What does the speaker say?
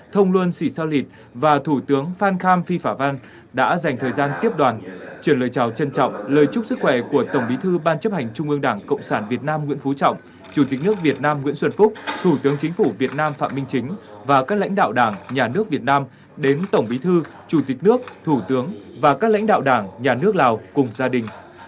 thông luân sĩ sao lịt và thủ tướng phan kham phi phả văn đã dành thời gian tiếp đoàn chuyển lời chào trân trọng lời chúc sức khỏe của tổng bí thư ban chấp hành trung ương đảng cộng sản việt nam nguyễn phú trọng chủ tịch nước việt nam nguyễn xuân phúc thủ tướng chính phủ việt nam phạm minh chính và các lãnh đạo đảng nhà nước việt nam đến tổng bí thư chủ tịch nước thủ tướng và các lãnh đạo đảng nhà nước lào cùng gia đình